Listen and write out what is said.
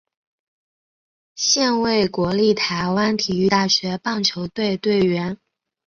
现为国立台湾体育大学棒球队队员。